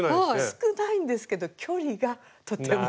少ないんですけど距離がとても。